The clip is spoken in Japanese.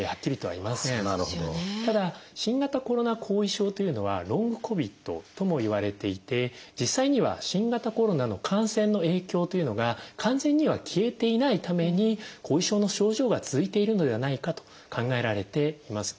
ただ新型コロナ後遺症というのは「ｌｏｎｇＣＯＶＩＤ」ともいわれていて実際には新型コロナの感染の影響というのが完全には消えていないために後遺症の症状が続いているのではないかと考えられています。